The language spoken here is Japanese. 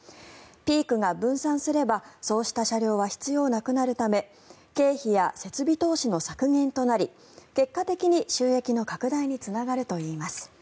ピークが分散すればそうした車両は必要なくなるため経費や設備投資の削減となり結果的に収益の拡大につながるといいます。